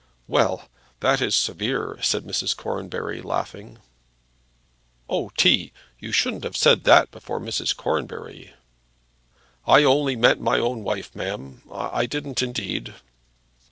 "Well, that is severe," said Mrs. Cornbury, laughing. "Oh, T.! you shouldn't have said that before Mrs. Cornbury!" "I only meant my own wife, ma'am; I didn't indeed."